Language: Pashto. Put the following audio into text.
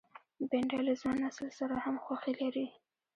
بېنډۍ له ځوان نسل سره هم خوښي لري